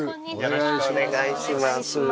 よろしくお願いします。